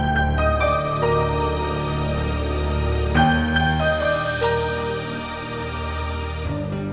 gak apa yang punya rumah ini orangnya bodoh